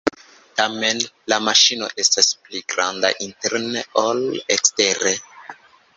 Tamen, la maŝino estas pli granda interne ol ekstere.